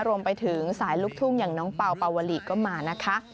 รวมไปถึงสายลูกทุ่งอย่างน้องเป่าปาวลีก็มานะคะ